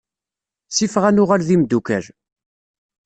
Sifeɣ ad nuɣal d imeddukal.